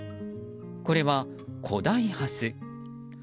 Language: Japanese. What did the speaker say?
これは古代ハス。